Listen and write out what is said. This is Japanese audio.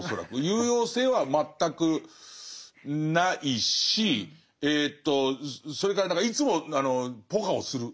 有用性は全くないしえとそれから何かいつもポカをする。